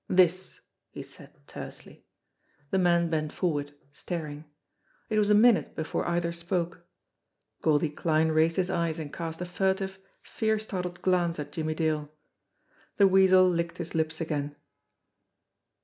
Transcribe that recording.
"This !" he said tersely. The men bent forward, staring. It was a minute before either spoke. Goldie Kline raised his eyes and cast a fur tive, fear startled glance at Jimmie Dale. The Weasel licked his lips again.